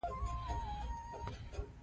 ښه سواد او زده کړه د بریا راز دی.